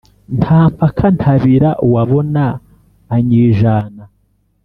Nta mpaka ntabira Uwabona anyijana